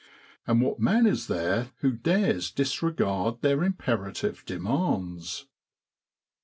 And what man is there who dares disregard their imperative demands